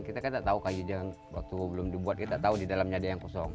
kita kan tidak tahu kayu jangan waktu belum dibuat kita tahu di dalamnya ada yang kosong